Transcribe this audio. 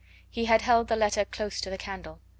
He had held the letter close to the candle.